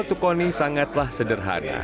tukoni adalah perusahaan yang sangat berharga